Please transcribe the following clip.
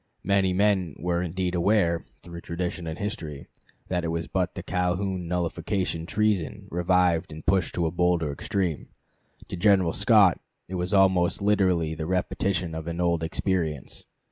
Many men were indeed aware, through tradition and history, that it was but the Calhoun nullification treason revived and pushed to a bolder extreme. To General Scott it was almost literally the repetition of an old experience.